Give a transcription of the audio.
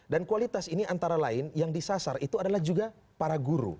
dan kualitas ini antara lain yang disasar itu adalah juga para guru